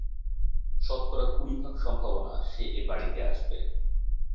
শতকরা কুড়িভাগ সম্ভাবনা সে এ বাড়িতে আসবে।